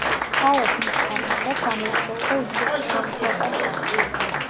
ხალას ნიჭთან ერთად გამოირჩეოდა უდიდესი შრომისმოყვარეობით.